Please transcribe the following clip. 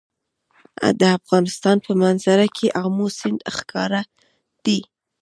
د افغانستان په منظره کې آمو سیند ښکاره دی.